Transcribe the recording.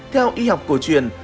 theo y học cổ truyền